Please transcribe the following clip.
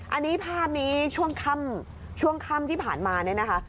อันนี้ภาพนี้ช่วงค่ำช่วงค่ำที่ผ่านมาเนี่ยนะคะ